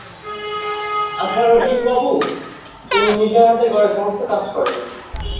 আচ্ছা রসিকবাবু, তিনি নিজের হাতে ঘরের সমস্ত কাজ করেন?